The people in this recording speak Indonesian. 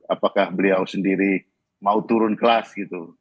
apakah beliau sendiri mau turun kelas gitu